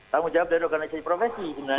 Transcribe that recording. tangan jawab dari organisasi profesi sebenarnya